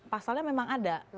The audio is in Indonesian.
pasalnya memang ada